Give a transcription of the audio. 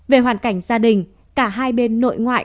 về hoàn cảnh gia đình cả hai bên nội ngoại